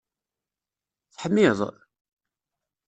Teḥmiḍ?